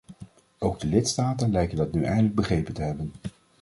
Ook de lidstaten lijken dat nu eindelijk begrepen te hebben.